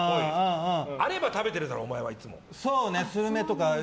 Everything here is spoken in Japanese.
あれば食べているだろ、いつも。